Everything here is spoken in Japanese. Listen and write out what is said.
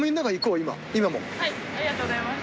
ありがとうございます。